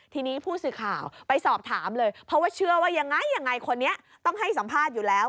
ทีนี้ผู้สื่อข่าวไปสอบถามเลยเพราะว่าเชื่อว่ายังไงยังไงคนนี้ต้องให้สัมภาษณ์อยู่แล้ว